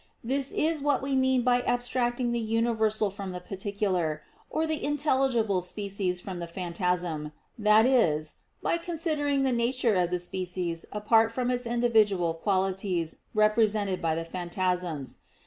This is what we mean by abstracting the universal from the particular, or the intelligible species from the phantasm; that is, by considering the nature of the species apart from its individual qualities represented by the phantasms.